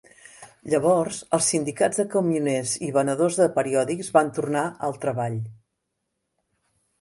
Llavors els sindicats de camioners i venedors de periòdics van tornar al treball.